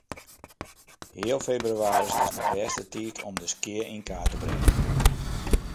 Heal febrewaris is de bêste tiid om de skea yn kaart te bringen.